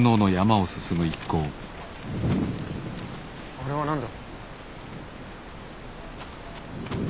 あれは何だ？